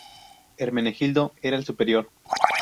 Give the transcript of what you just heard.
Hermenegildo era el superior.